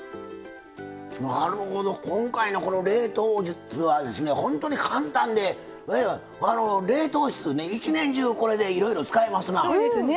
なるほど、今回の冷凍術は本当に簡単で冷凍室に一年中、これでいろいろ使えますな。